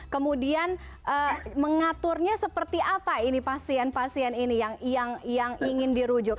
kemudian mengaturnya seperti apa ini pasien pasien ini yang ingin dirujuk